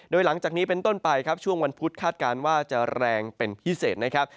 โดยหลังจากนี้เป็นต้นไปครับช่วงวันพุธคาดการณ์ว่าจะแรงเป็นพิเศษนะครับ